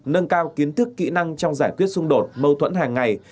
nâng cao kiến thức kỹ năng trong giải quyết xung đột mâu thuẫn hàng ngày